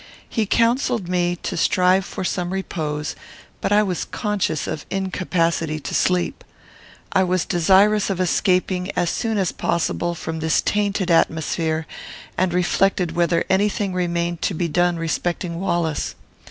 He counselled me to strive for some repose, but I was conscious of incapacity to sleep. I was desirous of escaping, as soon as possible, from this tainted atmosphere, and reflected whether any thing remained to be done respecting Wallace.